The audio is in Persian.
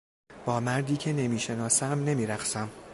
با مردی که نمیشناسم نمیرقصم.